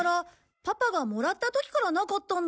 パパがもらった時からなかったんだから。